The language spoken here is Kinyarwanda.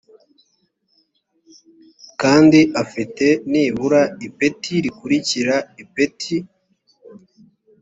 kandi afite nibura ipeti rikurikira ipeti